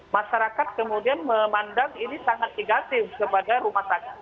masyarakat kemudian memandang ini sangat negatif kepada rumah sakit